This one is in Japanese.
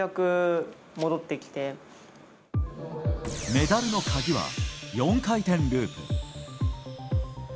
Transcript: メダルの鍵は、４回転ループ。